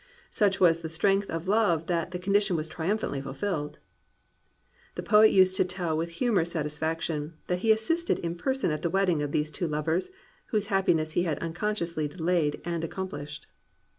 Such was the strength of love that the condition was triumphantly fulfilled. The poet used to tell with humourous satisfaction that he assisted in person at the wed ding of these two lovers whose happiness he had unconsciously delayed and accompHshed.